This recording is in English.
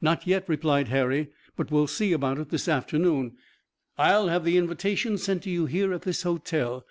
"Not yet," replied Harry, "but we'll see about it this afternoon." "I'll have the invitations sent to you here at this hotel.